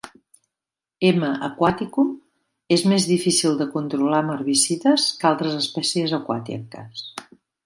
M. aquaticum és més difícil de controlar amb herbicides que altres espècies aquàtiques.